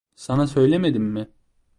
Sana söylemedim mi?